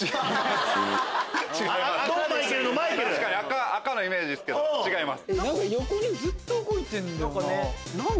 確かに赤のイメージですけど違います。